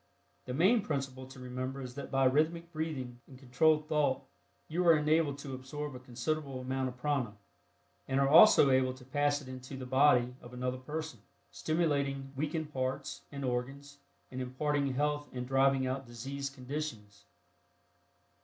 The main principle to remember is that by rhythmic breathing and controlled thought you are enabled to absorb a considerable amount of prana, and are also able to pass it into the body of another person, stimulating weakened parts and organs and imparting health and driving out diseased conditions.